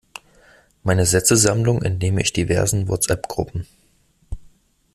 Meine Sätzesammlung entnehme ich diversen Whatsappgruppen.